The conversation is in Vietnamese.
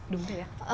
đúng thế ạ